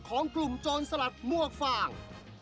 ของกลุ่มจนสลัดมวกฟาง